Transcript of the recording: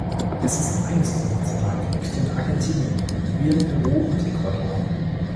Es ist eines der Nationalgerichte in Argentinien, Bolivien, Peru und Ecuador.